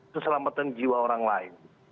keselamatan jiwa orang lain